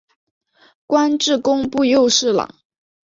官至工部右侍郎。